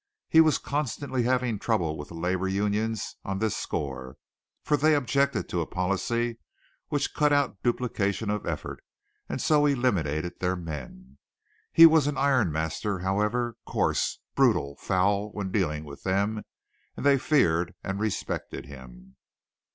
He was constantly having trouble with the labor unions on this score, for they objected to a policy which cut out duplication of effort and so eliminated their men. He was an iron master, however, coarse, brutal, foul when dealing with them, and they feared and respected him.